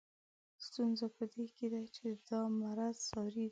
ستونزه په دې کې ده چې دا مرض ساري دی.